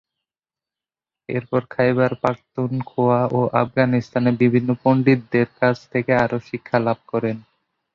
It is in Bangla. এরপর খাইবার পাখতুনখোয়া ও আফগানিস্তানের বিভিন্ন পণ্ডিতদের কাছ থেকে আরো শিক্ষা লাভ করেন।